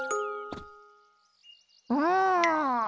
うん。